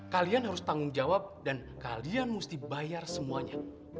kalian harus tanggung jawab dan kalian mesti bayar semuanya